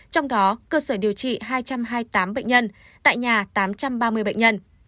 trong đó cơ sở điều trị hai trăm hai mươi tám bệnh nhân tại nhà tám trăm ba mươi bệnh nhân